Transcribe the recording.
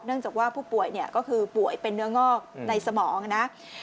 จากว่าผู้ป่วยเนี่ยก็คือป่วยเป็นเนื้องอกในสมองนะ